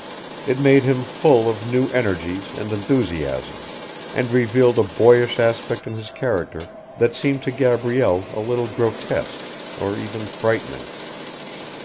It made him full of new energies and enthusiasms, and revealed a boyish aspect in his character that seemed to Gabrielle a little grotesque, or even frightening.